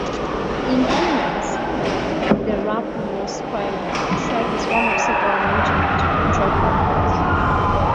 In humans, the rubrospinal tract is one of several major motor control pathways.